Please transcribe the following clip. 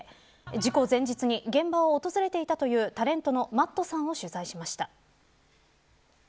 事故前日に現場を訪れていたというタレントのＭａｔｔさんを取材しました。